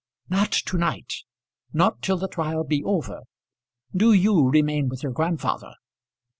"Not to night; not till the trial be over. Do you remain with your grandfather."